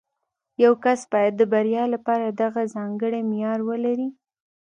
یو کس باید د بریا لپاره دغه ځانګړی معیار ولري